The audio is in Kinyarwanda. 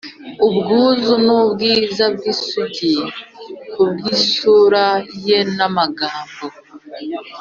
ubwuzu n’ubwiza bw'isugi ku isura ye n'amagambo.